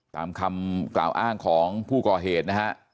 ตามคำกล่าวอ้างของผู้ก่อเหตุนะฮะ